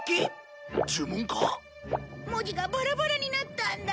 文字がバラバラになったんだ。